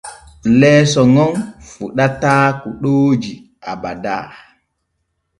Leeso ŋon fuɗataa kuɗooji abada.